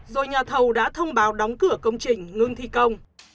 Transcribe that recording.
rồi nhà thầu đã thông báo đóng cửa công trình ngưng thi công